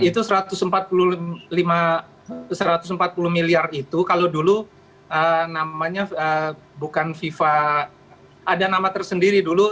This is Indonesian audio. itu satu ratus empat puluh miliar itu kalau dulu namanya bukan fifa ada nama tersendiri dulu